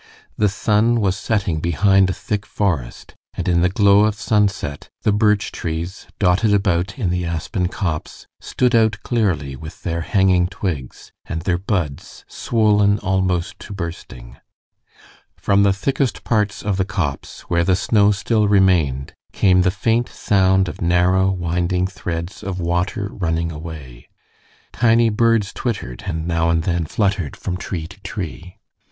The sun was setting behind a thick forest, and in the glow of sunset the birch trees, dotted about in the aspen copse, stood out clearly with their hanging twigs, and their buds swollen almost to bursting. From the thickest parts of the copse, where the snow still remained, came the faint sound of narrow winding threads of water running away. Tiny birds twittered, and now and then fluttered from tree to tree.